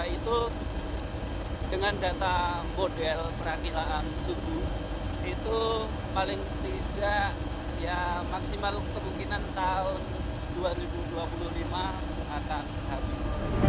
itu dengan data model perakilan subuh itu paling tidak ya maksimal kemungkinan tahun dua ribu dua puluh lima akan habis